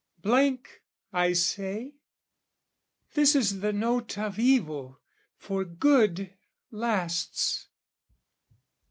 Blank, I say! This is the note of evil: for good lasts.